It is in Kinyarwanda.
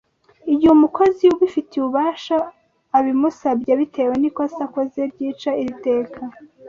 igihe umukozi ubifitiye ububasha abimusabye bitewe n' ikosa akoze ryica iri teka